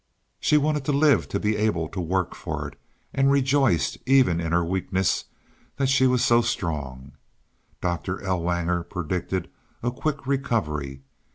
She wanted to live to be able to work for it, and rejoiced, even in her weakness, that she was so strong. Doctor Ellwanger predicted a quick recovery.